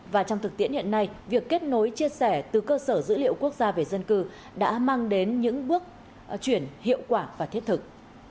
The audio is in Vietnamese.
và trong thực tiễn hiện nay việc kết nối chia sẻ từ cơ sở dữ liệu quốc gia về dân cư đã mang đến những bước chuyển hiệu quả và thiết thực